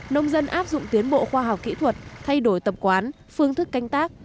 nông dân áp dụng tiến bộ khoa học kỹ thuật thay đổi tập quán phương thức canh tác